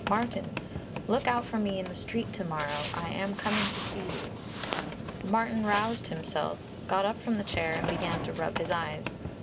Martin! Look out for me in the street to morrow; I am coming to see you." Martin roused himself, got up from the chair and began to rub his eyes.